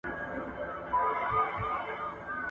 شتمني باید د خلګو په ګټه وي.